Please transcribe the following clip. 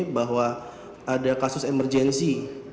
bahwa ada kasus emergensi